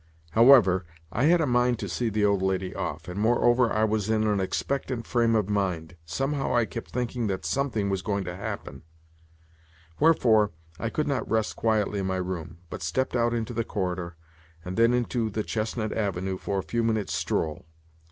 However, I had a mind to see the old lady off; and, moreover, I was in an expectant frame of mind—somehow I kept thinking that something was going to happen; wherefore, I could not rest quietly in my room, but stepped out into the corridor, and then into the Chestnut Avenue for a few minutes' stroll.